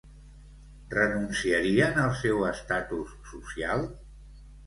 Renunciarien al seu estatus social?